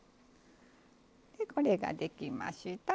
これができました。